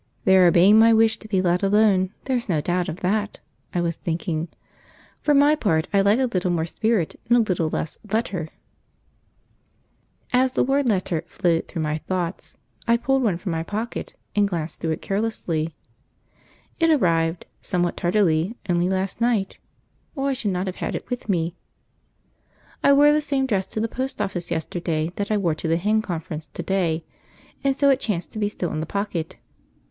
"They are obeying my wish to be let alone, there's no doubt of that," I was thinking. "For my part, I like a little more spirit, and a little less 'letter'!" {Workmen were trudging home: p87.jpg} As the word "letter" flitted through my thoughts, I pulled one from my pocket and glanced through it carelessly. It arrived, somewhat tardily, only last night, or I should not have had it with me. I wore the same dress to the post office yesterday that I wore to the Hen Conference to day, and so it chanced to be still in the pocket.